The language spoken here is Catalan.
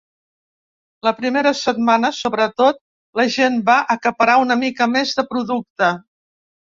La primera setmana, sobretot, la gent va acaparar una mica més de producte.